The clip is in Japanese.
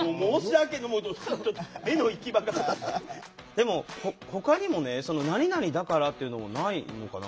でもほかにもね何々だからっていうのもないのかな？